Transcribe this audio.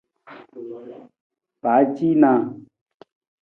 Pacinaa.